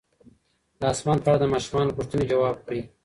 د اسمان په اړه د ماشومانو پوښتنې ځواب کړئ.